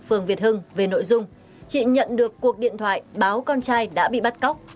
phường việt hưng về nội dung chị nhận được cuộc điện thoại báo con trai đã bị bắt cóc